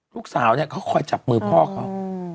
ลูกสาวเนี่ยเขาคอยจับมือพ่อเขา